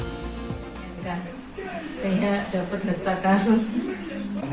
kayaknya dapat detak karun